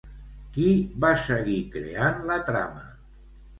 Qui va seguir creant la trama?